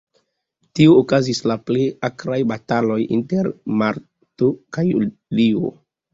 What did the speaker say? Tie okazis la plej akraj bataloj, inter marto kaj julio.